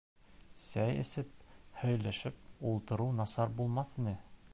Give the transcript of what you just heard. Сәй эсеп һөйләшеп ултырыу насар булмаҫ ине